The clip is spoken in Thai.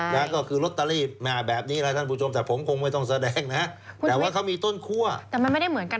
แล้วก็ออตรีแบบนี้ภาทบุกรุ่มแต่ผมคงไม่ต้องแสดงนะว่าเขามีต้นคั่วแล้วไม่ได้เหมือนกัน